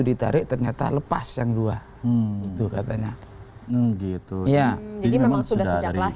ditarik ternyata lepas yang dua itu katanya begitu iya ini memang sudah lahir